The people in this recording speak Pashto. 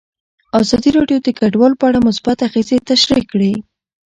ازادي راډیو د کډوال په اړه مثبت اغېزې تشریح کړي.